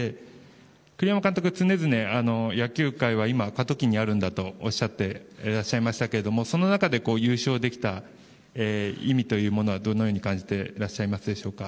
栗山監督、常々野球界は今、過渡期にあるんだとおっしゃっていらっしゃいましたけどその中で優勝できた意味というのはどのように感じてますでしょうか。